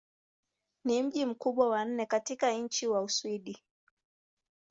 Ni mji mkubwa wa nne katika nchi wa Uswidi.